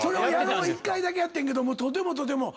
１回だけやってんけどとてもとても。